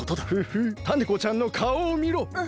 フフタネ子ちゃんのかおをみろ！